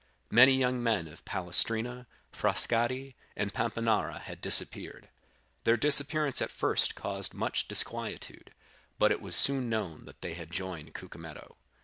Many young men of Palestrina, Frascati, and Pampinara had disappeared. Their disappearance at first caused much disquietude; but it was soon known that they had joined Cucumetto.